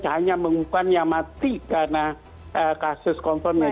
hanya mengumpulkan yang mati karena kasus confirmnya